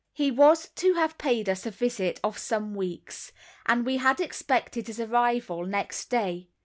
He was to have paid us a visit of some weeks, and we had expected his arrival next day.